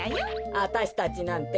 あたしたちなんて